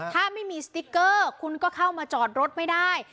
ถ้าไม่มีสติ๊กเกอร์คุณก็เข้ามาจอดรถไม่ได้